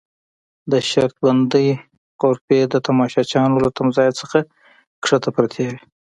د شرط بندۍ غرفې د تماشچیانو له تمځای نه کښته پرتې وې.